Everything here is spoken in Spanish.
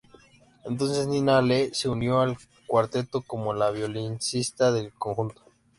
Entonces Nina Lee se unió al cuarteto como la violonchelista del conjunto.